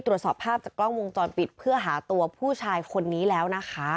ตรวจสอบภาพจากกล้องวงจรปิดเพื่อหาตัวผู้ชายคนนี้แล้วนะคะ